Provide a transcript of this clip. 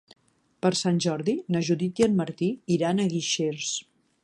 Per Sant Jordi na Judit i en Martí iran a Guixers.